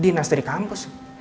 dinas dari kampus